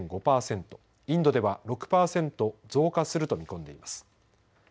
インドでは６％増加すると見込んでいます。